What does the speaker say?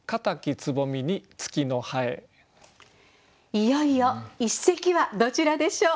いよいよ一席はどちらでしょう。